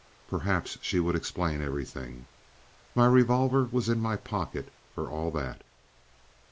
Perhaps she would explain everything. My revolver was in my pocket for all that.